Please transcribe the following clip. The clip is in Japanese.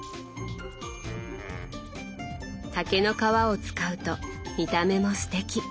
竹の皮を使うと見た目もすてき。